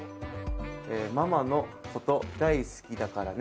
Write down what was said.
「ままのこと大いすきだからね」。